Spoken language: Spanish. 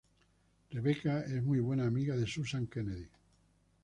Rebecca es muy buena amiga de Susan Kennedy.